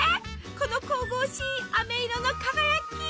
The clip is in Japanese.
この神々しいあめ色の輝き。